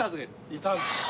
いたんですよ。